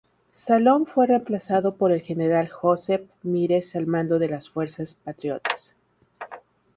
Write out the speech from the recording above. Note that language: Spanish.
Salom fue reemplazado por el general Joseph Mires al mando de las fuerzas patriotas.